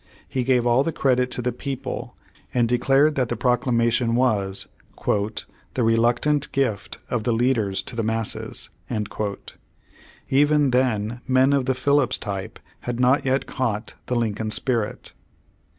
He gave all the credit to the "people," and declared that the Proclamation was "the reluctant gift of the leaders to the masses." Even then men of the Phillips type had not yet caught the Lincoln spirit.